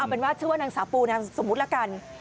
เอาเป็นว่าเชื่อว่านางสาวปูสมมติละกัน